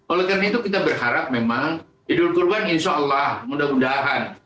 oleh karena itu kita berharap memang idul kurban insya allah mudah mudahan